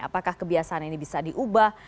apakah kebiasaan ini bisa diubah